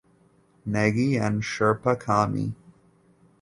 Negi and Sherpa Kami.